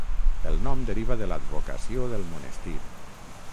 El nom deriva de l'advocació del monestir.